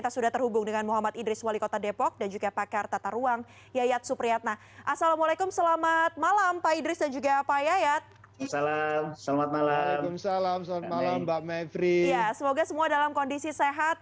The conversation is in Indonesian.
semoga semua dalam kondisi sehat